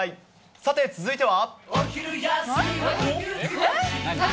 さて、続いては。